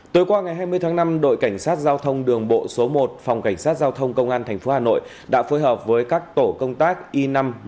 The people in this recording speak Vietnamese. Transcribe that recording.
tới qua ngày hai mươi tháng năm đội cảnh sát giao thông đường bộ số một phòng cảnh sát giao thông công an tp hà nội đã phối hợp với các tổ công tác y năm nghìn một trăm bốn mươi một